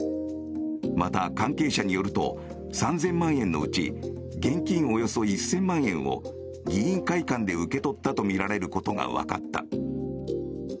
また、関係者によると３０００万円のうち現金およそ１０００万円を議員会館で受け取ったとみられることが分かった。